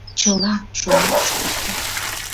«Чыла! — шоналтыш Костя.